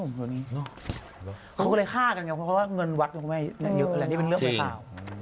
เขาก็เลยฆ่ากันเพราะว่าเงินวัดไม่เยอะแล้วนี่เป็นเรื่องไหมเปล่า